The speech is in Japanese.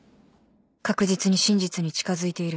確実に真実に近づいている